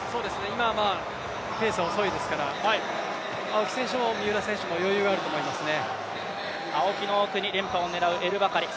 今ペースは遅いですから、青木選手も三浦選手も余裕があると思いますね。